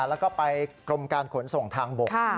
แล้วก็ไปกรมการขนส่งทางบก